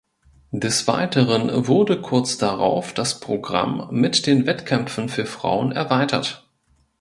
Des Weiteren wurde kurz darauf das Programm mit den Wettkämpfen für Frauen erweitert.